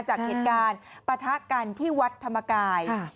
จากเหตุการณ์ปะทะกันที่วัดธรรมกาย